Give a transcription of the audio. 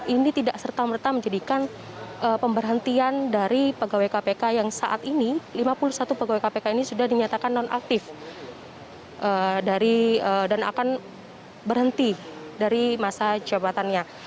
informasi yang kami dapatkan bahwa kebangsaan ini tidak berhenti dari masa jabatannya